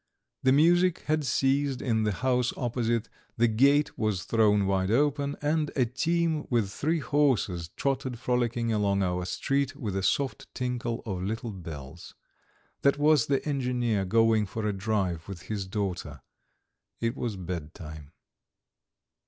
The music had ceased in the house opposite; the gate was thrown wide open, and a team with three horses trotted frolicking along our street with a soft tinkle of little bells. That was the engineer going for a drive with his daughter. It was bedtime.